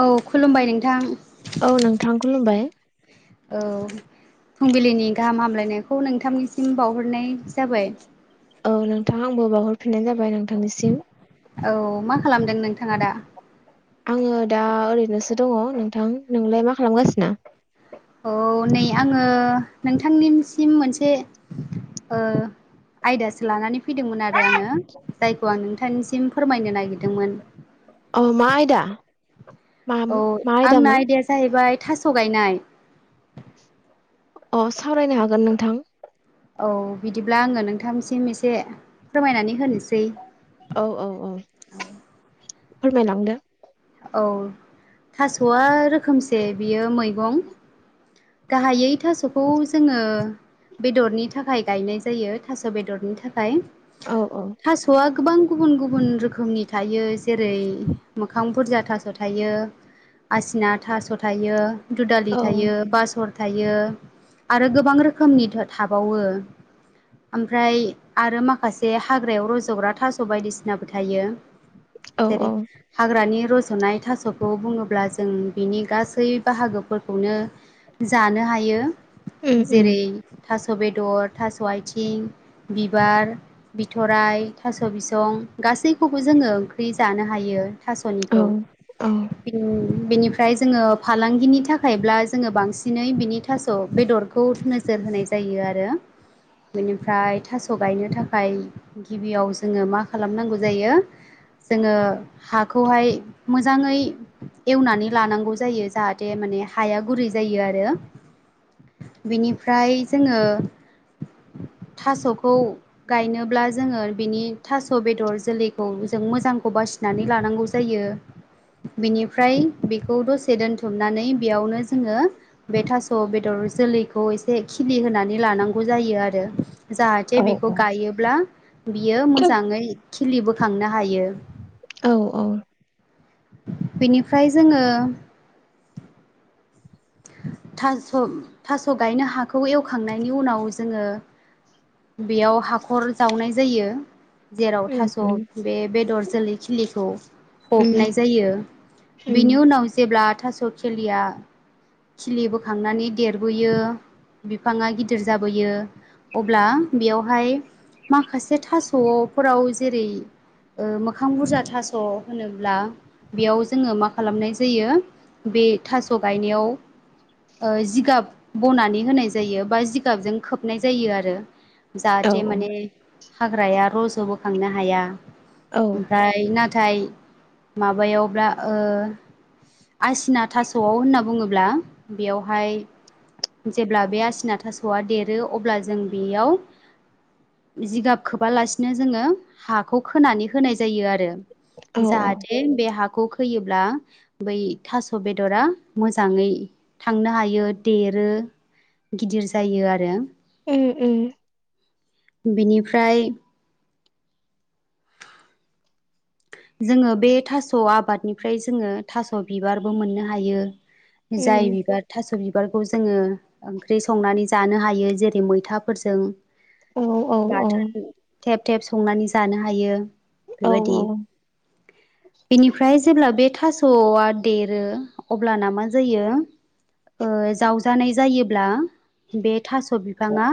औ खुलुमबाय नोंथां। औ नोंथां खुलुमबाय औ फुंबिलिनि गाहाम हामलायनायखौ नोंथांनिसिम बावहरनाय जाबाय। औ नोंथां आंबो बावहरफिननाय जाबाय नोंथांनिसिम। औ मा खालामदों नोंथाङा दा? आङो दा ओरैनोसो दङ नोंथां नोंलाय मा खालामगासिनो? औ नै आङो नोंथांनिसिम मोनसे ओ आयदासो लानानै फैदोंमोन आरो आङो जायखौ आं नोंथांनिसिम फोरमायनो नागिरदोंमोन। औ मा आयदा? मा औ मा आंना आयदामोन आयदाया जाहैबाय थास' गायनाय। अ सावरायनो हागोन नोंथां। औ बिदिब्ला आङो नोंथांसिम एसे फोरमायनानै होनोसै। औ औ औ फोरमायलांदो। औ थास'आ रोखोमसे बियो मैगं। गाहायै थास'खौ जोङो बेदरनि थाखाय गायनाय जायो थास' बेदरनि थाखाय। औ औ थास'आ गोबां गुबुन गुबुन रोखोमनि थायो जेरै मोखां बुरजा थास' थायो आजिना थास' थायो दुदालि औ थायो बासर थायो आरो गोबां रोखोमनि थथाबावो। ओमफ्राय आरो माखासे हाग्रायाव रज'ग्रा थास' बायदिसिनाबो थायो। औ जेरै औ हाग्रानि रज'नाय थास'खौ बुङोब्ला जों बिनि गासै बाहागोफोरखौनो जानो हायो उम उम जेरै थास' बेदर थास' आथिं बिबार बिथराय थास' बिसं। गासैखौबो जोङो ओंख्रि जानो हायो औ थास'निखौ औ बि बेनिफ्राय जोङो फालांगिनि थाखायब्ला जोङो बांसिनै बिनि थास' बेदरखौ नोजोर होनाय जायो आरो। बेनिफ्राय थास' गायनो थाखाय गिबियाव जोङो मा खालामनांगौ जायो। जोङो हाखौहाय मोजाङै एवनानै लानांगौ जायो जाहाथे माने हाया गुरै जायो आरो। बिनिफ्राय जोङो थास'खौ गायनोब्ला जोङो बिनि थास' बेदर जोलैखौ जों मोजांखौ बासि फिनानै लानांगौ जायो बिनिफ्राय बेखौ दसे दोनथुमनानै बेयावनो जोङो बे थास' बेदरजों लैखौ एसे खिलि होनानै लानां गौ जायो आरो जाहाथे औ बेखौ गायोब्ला बियो मोजाङै खिलिबोखांनो हायो औ औ बेनिफ्राय जोंङो थास थास गायनो हाखौ एवखांनायनि उनाव जोंङो बेयाव हाखर जावनाय जायो जेराव उम थास उम बे बेदर जोलै खिलिखौ उम फबनाय जायो बेनि उम उनाव जेब्ला थास' खेलिया खिलि बोखांनानै देरबोयो बिफांङा गिदिर जाबोयो अब्ला बेयावहाय माखासे थासफोराव जेरै ओ- मोखां बुरजा थास होनोब्ला बेयाव जोंङो मा खालामनाय जायो बे थास गायनायाव ओ- जिगाब बनानै होनाय जायो बा जिगाबजों खोबनाय जायो आरो औ जाहाथे माने हाग्राया रज' बो खांनो हाया औ ओमफ्राय ना नाथाय माबायावब्ला ओ- आसिना थास'आव होनना बुंङोब्ला बेयावहाय जेब्ला बे आसिना थासआ देरो अब्ला जों बेयाव जिगाब खोबा लासिनो जोंङो हाखौ खोनानै होनाय जायो आरो औ औ जाहाथे बे हा खौ खैयोब्ला बै थास बेदरा मोजांङै थांनो हायो देरो गिदिर जायो आरो उम उम बिनिफ्राय जोंङो बे थास आबादनिफ्राय जोंङो थास बिबारबो मोननो हायो जाय उम बिबार थास' बिबार बिबारखौ जोङो ओंख्रि संनानै जानो हायो जेरै मैथाफोरजों औ औ औ बाथोन थेब थेब संनानै जानो हायो औ बेबायदि औ बेनिफ्राय जेब्ला बे थास'आ देरो अब्लाना मा जायो ओ- जावजानाय जायोब्ला बे थास बिफाङा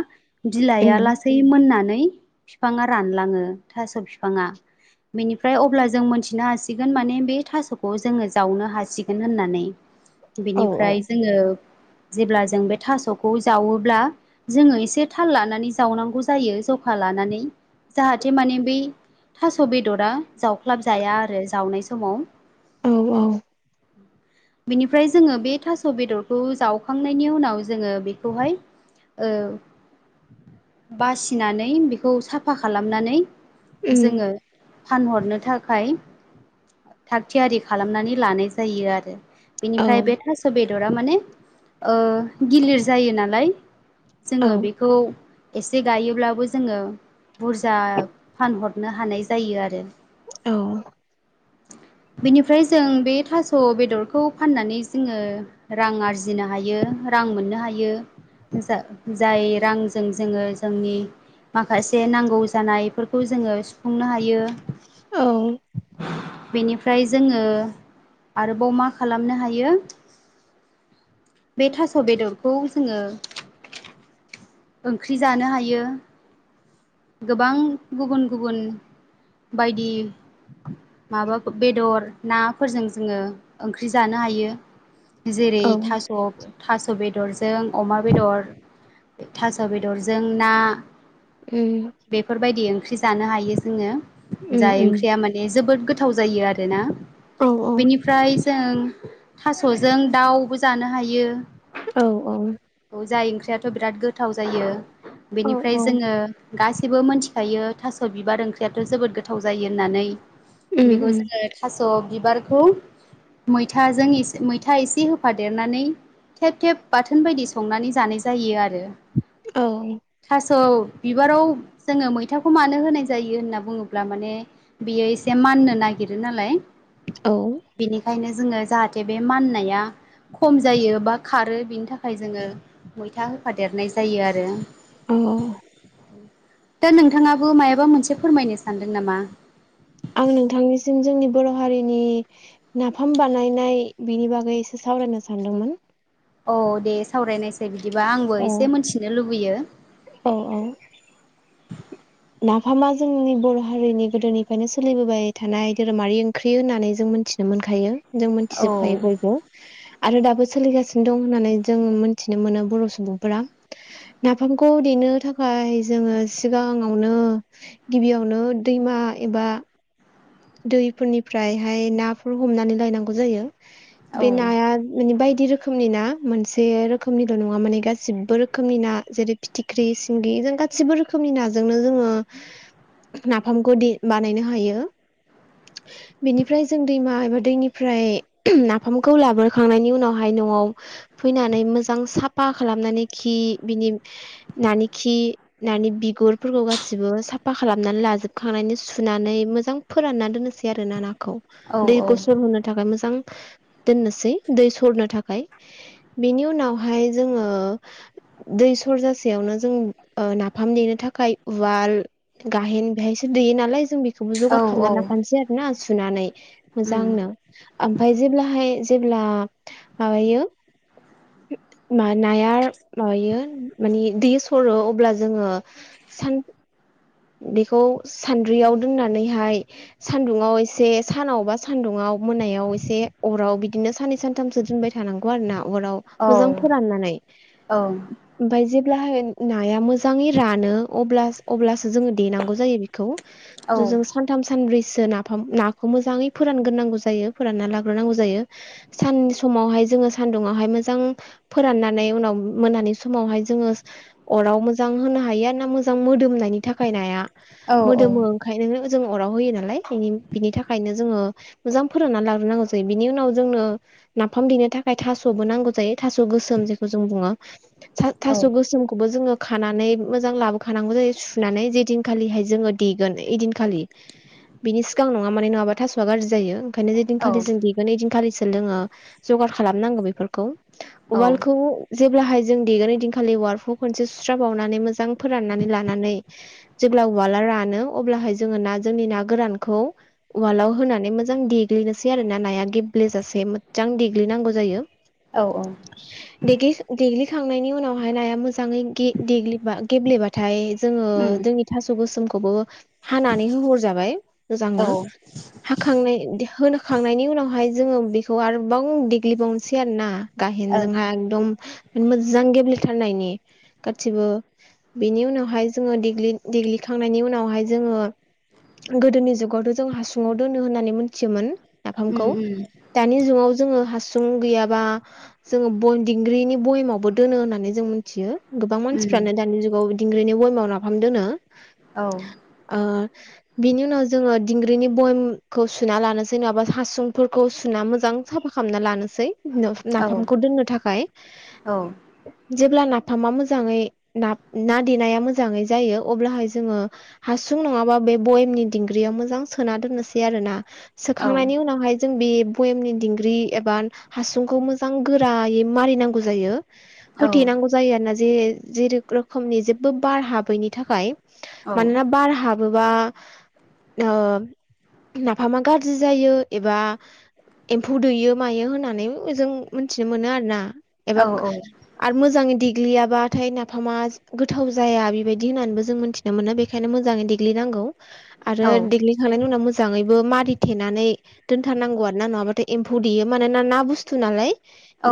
बिलाइ उम लासै मोननानै बि फिफाङा रानलाङो थास फिफांङा बेनिफ्राय अब्ला जो जों मोन्थिनो हासिगोन माने बे थास'खौ जोङो जावनो हासिगोन होननानै औ बिनिफ्राय जोंङो जेब्ला जों बे थासखौ जावोब्ला जोंङो एसे थाल लानानै जावनांगौ जायो ज लानानै जाहाथे माने बे थ' बेदरा जाव खख्लाब जाया आरो जावनाय समाव औ औ [inaudible] बेनिफ्राय जोंङो बे थास बेदरखौ जावखांनायनि उनाव जोंङो बेखौहाय ओ- बासिनानै बेखौ साफा खालामनानै उम जोङो फानहरनो थाखाय थाखाय थाग थियारि खालामनानै लानाय जायो आरो औ बेनिफ्राय बे थास बेदरा माने ओ- गिलिर जायो नालाय औ जोङो बेखौ एसे गायोब्लाबो ज जोंङो बुरजा फानहरनो हानाय जायो आरो। अ [inaudible] बेनिफ्राय जों बे थास' बेदरखौ फाननानै जोङो रां आरजिनो हायो। रां मोननो हायो जा जाय रांजों जोङो जोंनि माखासे नांगौ जानायफोरखौ जोङो सुफुंनो हायो। औ बेनिफ्राय जोङो आरोबाव मा खालामनो हायो बे थास' बेदरखौ जोङो ओंख्रि जानो हायो। गोबां गुबुन गुबुन बायदि माबा फो बेदर नाफोरजों जोङो ओंख्रि जानो हायो। जेरै उम थास' ओ थास' बेदरजों अमा बेदर ओ थास' बेदरजों ना उम बेफोरबायदि ओंख्रि ज जानो हायो जोङो जाय ओंख्रिया माने जोबोद गोथाव जायो आरोना औ बेनिफ्राय जों थास'जों दाउबो जानो हायो। ओ औ औ औ जाय ओंख्रियाथ' बिराद गोथाव जायो औ बेनिफ्राय जोङो गासिबो मोनथिखायो थास' बिबार ओंख्रियाथ' जोबोद गोथाव जायो होननानै बेखौ जोङो थास स' बिबारखौ मैथाजों एसे मैथा एसे होफादेरनानै थेब थेब बाथोन बायदि संनानै जानाय जायो आर ओ‌ औ स' बिबाराव जोङो मैथाखौ मानो होनाय जायो होनना बुङोब्ला माने बियो एसे मा माननो नागिरो नालाय बेनिखायनो जोङो जाहाथे बे माननाया खम जायो बा खारो बिनि थाखाय जोङो मैथा होफादेरनाय जायो आरो अ ओ दा नोंथाङाबो मायाबा मोनसे फोरमायनो सानदों नामा? आं नोंथांनिसिम जोंनि बर' हारिनि नाफाम बानायनाय बिनि बागै एसे सावरायनो सानदोंमोन। औ दे सावरायनायसाय बिदिबा आंबो एसे मोनथिनो लुबैयो अ अ नाफामा जोंनि बर' हारिनि गोदोनिफ्रायनो सोलिबोबाय थानाय धोरोमारि ओंख्रि होननानै जों मोन्थि जों मोनखायो जों मोनथि औ जुबखायो बयबो आरो दाबोस सोलिगासिनो दं होननानै जों मोनथिनो मोनो बर' सुबुंफोरा नाफामखौ देनो थाखाय जोङो सिगाङ ङावनो गिबियावनो दैमा एबा दैफोरनिफ्रायहाय नाफोर हमनानै लायनांगौ जायो। औ बे नाया बेनि बायद बायदि रोखोमनि ना मोनसे रोखोमनिल' नङा माने गासिबो रोखोमनि ना जेरै फिथिख्रि, सिंगि जों गासिबो रोखोमनि नाजोंनो जोङो नाफामखौ दे बानायनो हायो। बेनिफ्राय जों दैमा एबाद दैनिफ्राय नाफामखौ लाबो खांनायनि उनावहाय न'आव फैनानै मोजां सापा पा खालामनानै खि बिनि नानि खि नानि बिगुरफोरखौ गासिबो साफ पा खालामनानै लाजोबखांनायनि सुनानै मोजां फोरानना दोननोसै आरोना नाखौ औ दै गुसुर होनो थाखाय मोजां [inaudible] दोननोसै दै सरनो थाखाय बेनि उनावहाय जोङो दैस सरजासेयावनो जों ओ नाफाम देनो थाखाय उवाल ए गाहेन बेहायसो देयो नालाय जों बेखौ औ खामना औ लाखानोसै आरो ना सुनानै उम मोजांनो ओमफाय जेब्लाहाय ज जेब्ला माबायो हो मा नायार माबायो माने दे सरो अब्ला जोङो सान बेखौ सान्द्रियाव दोननानै हाय सान्दुुंआव एसे सानावबा सान्दुङाव मोनायाव एसे अराव बिदिनो साननै सानथामसो दोनबाय थानांगौ आरो ना। अराव औ मोजां फोराननानै औ ओमफाय जे ब्लाहाय नाया मोजाङै रानो अब्लास अब्लासो जोङो देनांगौ जायो बिखौय जो जों सानथाम सानब्रै सो नाफाम नाखौ मोजांङै फोरान ग्रोनांगौ जायो फोराना लाग्रोनांगौ जायो साननि समावहाय जोङो सदुंवहाय मोजां फोरनानै उनाव मोनानि समाव जोङो अराव मोजां नो हायो आंना मोजां मोदोमनायनि थाखाय नाया औ मोदोमो ओंखायनो जों अराव होयो नालाय बिनि बिनि थाखायनो जोङो मोजां फोरानना लाग्रोनांगौ जायो बिनि उनाव जोंनो नाफाम देनो थाखाय थास'बो नांगौ जायो। थास' गोसोम जेखौ जों बुङो थास औ थास' गोसोमखौबो जोङो खानानै मोजां लाबोखानांगौ जायो। नानै जे दिनखालि हाय जोङो देगोन ऐदिन खालि बिनि सिगां नङा माने नङाबा थास'आ गाज्रि जायो। ओंखायनो जे दिनखालि जों देगोन ओइदिन खालिसो जोङो जगार खालामनांगौ बेफोरखौ। औ उवालखौ जेब्लाहाय जों देगोन ऐदिनखालि उवालखौ खनसे सुस्राब बावनानै मोजां फोराननानै लानानै [unintelligible] जेब्ला उवाला रानो अब्ला हाय जोङो ना जोंनि ना गोरानखौ उवालाव होनानै मोजां देग्लि नोसै आरो ना नाया गेब्लेे जासे मोजां देग्लिनांगौ जायो। औ औ देग्लि देग्लि खांनायनि उनावहाय नाया मोजाङै गे देग्लिबा गेब्ले बाथाय जोङो उम जोंनि थास' गोसोमखौबो हानानै होहरजाबाय औ मोजांनो। हाखांनाय होखांनायनि उनावहाय जोङो बेखौ आरोबाव देग्लिबावनोसै आरोना औ गाहेनजों हा एदम मोजां गेब्लेथारनायनि गासिबो बेनि उनावहाय जोङो देग्लि देग्लि खांनायनि उनावहाय जोङो गोदोनि जुगावथ' जों हासुङाव दोनो होननानै मिथियोमोन। नाफामखौ उम उम दानि जुगाव जोङो हासु सुं गैयाबा जोङो बनदिंग्रिनि बयेमावबो दोनो होननानै जों मिथियो। गोबां उम मानसिफ्रानो दानि जुगाव दिंग्रिनि बयामाव नाफाम दोनो। औ ओ बिनि उनाव जोङो दिंग्रिनि बयमखौ सुना लानोसै नङाबा हासुं फोरखौ सुना मोजां साफा खालामना लानोसै नो औ नाफामखौ दोननो थाखाय औ जेब्ला फामा मोजाङै ना ना देनाया मोजां मोजाङै जायो अब्लाहाय जोङो हासुं नङाबा बे बयेमनि दिंग्रियाव मोजां सोना दोननोसै आरोना। औ सोखांनायनि उनावहाय जों बे भयेमनि दिंग्रि एबा हासुंखौ मोजां गोरा यै मारिनांगौ जायो। औ होथेनांगौ जायो आरोना जे जेर रोखोमनि जेबो बार हाबैनि थाखाय। औ मानोना बार हाबोबा ओ नाफामा गाज्रि जायो एबा एम्फौ दैयो मायो होननानै जों मिथिनो मोनो आरो ना एबा औ आरो मोजाङै देग ग्लियाबाथाय नाफामा गोथाव जाया बिबायदि होननानैबो जों मिथिनो मोनो बे बेखायनो मोजाङै देग्लिनांगौ आरो दिग्लिखांनायनि उनाव मो मोजाङैबो मारिथेनानै दोनथार नांगौ आरोना नङा बाथाय एम्फौ देयो मानोना ना बुस्थु नालाय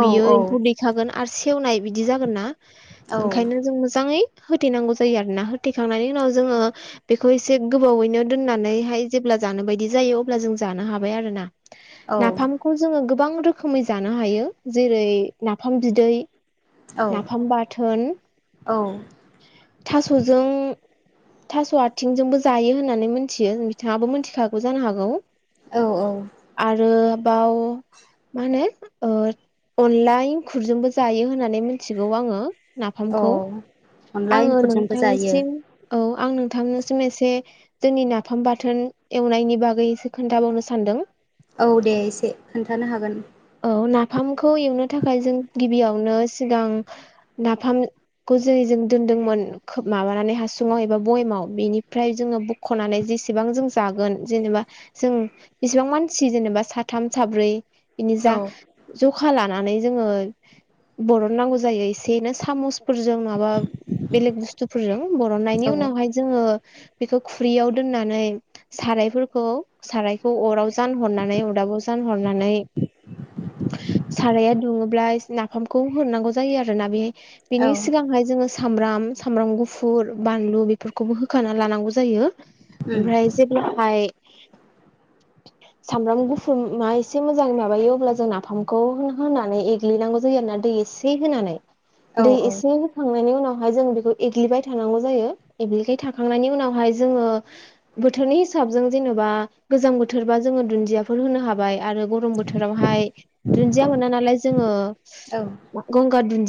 बियो एम्फौ दैखागोन आरो सेवनाय बिदि जागोननाा ओंखायनो जों मोजाङै होथेेनांगौ जायो आरोना होथेखांनायनि उनाव जोङो बेखौ एसे गोबावैनो दोननानै हाय जेब्ला जानो बायदि जायो अब्ला जों जानो हाबाय आरो ना। नाफामखौ जोङो गोबां रोखोमै जानो हायो जेरै नाफाम बिदै नाफाम बाथोन थास'जों थास' आथिंजोंबो जायो होननानै मिथियो बिथाङाबो मिथिखागौ जानो हागौ औ -औ बाव मा होनो अनला एंखुरजोंबो जायो होनानै मोनथिगौ आंओ नाफाम खौ औ अनला आंओ एंखुरजोंबो जायो नोंथांनिसिम औ आं नोंथांनोसिम एसे जोंनि नाफाम बाथोन एवनायनि बागैसो खोन्थाबावनो सानदों औ दे एसे खोन्थानो हागोन औ नाफामखौ एवनो थाखाय जों गिबियावनो सिगां नाफाम जेरै जों दोन्दोंमोन माबानानै हासुंङाव एबा बयेमाव बेनिफ्राय जोंङो बुखनानै जेसेबां जों जागोन जेनेबा जों बेसेबां मानसि जेनेबा साथाम साब्रै बिनि जा औ जखा लानानै जोंङो बरननांगौ जायो इसे सामस जों माबा बेलेग बुस्तु फोरजों बरनायनि औ उनावहाय जों बिखौ खुरैआ व दोनानै सारायफोरखौ सारायखौ अराव जानहरनानै अदाबाव जान हरनानै साराया दुङोब्ला नाफामखौ हरनांगौ जायो आरोना बे बिनि औ सिगांहाय जोंङो सामब्राम- सामब्राम गुफुर बानलु बेफोरखौबो होखाना लानांगौ जायो उम ओमफ्राय जेब्लाहाय सामब्राम गुफुर मा एसे मोजां माबायो अब्ला जों नाफामखौ होनानै गिग्नांगौ जायो आरोना दै एसे होनानै औ दै औ होखांनायनि उनावहाय जों बेखौ एग्लिबाय थानांगौ जायो एगिलबाय थाखाखांनायनि उनावहाय जोंङो बोथोरनि हिसाबजों जेनेबा गोजां बोथोरबा ज जोंङो दुनदियाफोर होनो हाबाय आरो गरम बोथोरावहाय दुन्दिया मोना नालाय औ जोंङो गंगार दुनदि